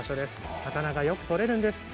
魚がよく取れるんです。